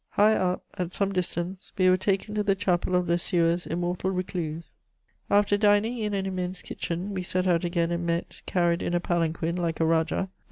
Higher up, at some distance, we were taken to the chapel of Le Sueur's immortal recluse. After dining in an immense kitchen, we set out again and met, carried in a palanquin like a rajah, M.